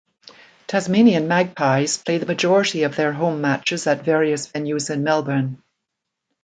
Tasmanian Magpies play the majority of their home matches at various venues in Melbourne.